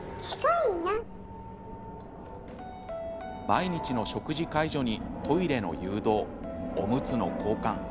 毎日の食事介助にトイレの誘導おむつの交換。